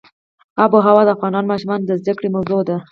آب وهوا د افغان ماشومانو د زده کړې موضوع ده.